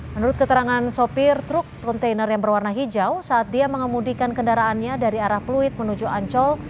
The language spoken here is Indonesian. menurut keterangan sopir truk kontainer yang berwarna hijau saat dia mengemudikan kendaraannya dari arah pluit menuju ancol